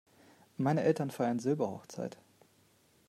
Meine Eltern feiern Silberhochzeit.